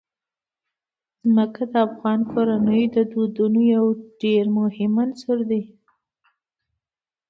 ځمکه د افغان کورنیو د دودونو یو ډېر مهم عنصر دی.